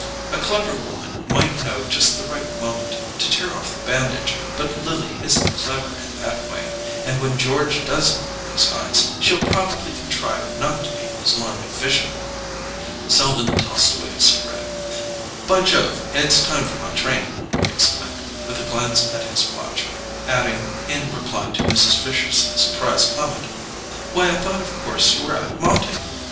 A clever woman might know just the right moment to tear off the bandage: but Lily isn't clever in that way, and when George does open his eyes she'll probably contrive not to be in his line of vision." Selden tossed away his cigarette. "By Jove—it's time for my train," he exclaimed, with a glance at his watch; adding, in reply to Mrs. Fisher's surprised comment—"Why, I thought of course you were at Monte!"